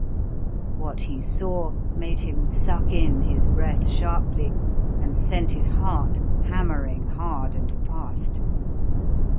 What he saw made him suck in his breath sharply and sent his heart hammering hard and fast.